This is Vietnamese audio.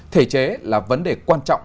thể chế là vấn đề quan trọng